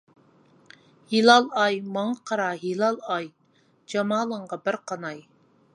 ھىلال ئاي ماڭا قارا ھىلال ئاي، جامالىڭغا بىر قاناي.